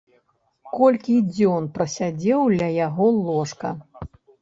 Колькі дзён прасядзеў ля яго ложка!